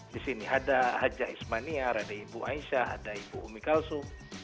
di sini ada haja ismaniar ada ibu aisyah ada ibu umi kalsu